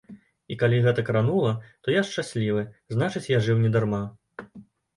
І, калі гэта кранула, то я шчаслівы, значыць я жыў не дарма.